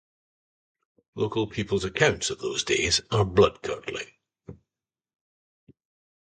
Local people's accounts of those days are bloodcurdling.